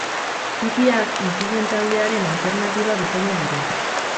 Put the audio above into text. Bikiak mutilen taldearen alternatiba bikaina dira.